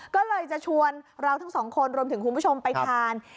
ก็เลยจะชวนเราทั้งสองคนรวมถึงคุณผู้ชมไปทาน